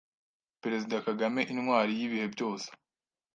Perezida Kagame intwari y’ibihe byose